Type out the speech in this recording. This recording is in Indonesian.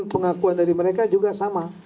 pengakuan dari mereka juga sama